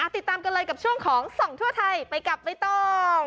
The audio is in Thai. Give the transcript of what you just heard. ติดตามกันเลยกับช่วงของส่องทั่วไทยไปกับใบตอง